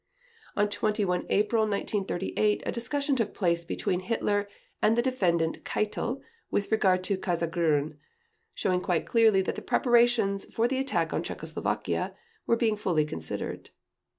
On 21 April 1938 a discussion took place between Hitler and the Defendant Keitel with regard to "Case Grün", showing quite clearly that the preparations for the attack on Czechoslovakia were being fully considered.